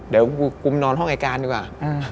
เดี๋ยวกูนอนห้องไอ้การดีกว่า